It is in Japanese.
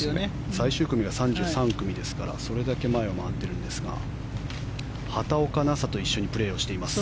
最終組が３３組ですからそれだけ前を回っているんですが畑岡奈紗と一緒にプレーをしています。